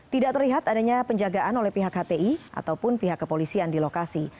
tidak terlihat adanya penjagaan oleh pihak hti ataupun pihak kepolisian di lokasi